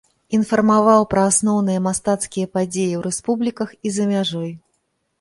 Інфармаваў пра асноўныя мастацкія падзеі ў рэспубліках і за мяжой.